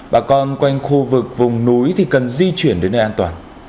bà con quanh khu vực vùng núi thì cần di chuyển đến nơi an toàn